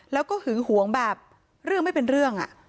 แล้วก็หึงหวงแบบเรื่องไม่เป็นเรื่อง